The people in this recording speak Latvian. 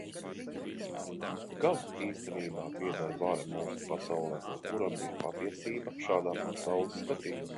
Kam īstenībā pieder vara mūsu pasaulē un kuram ir patiesība šādā pasaules skatījumā?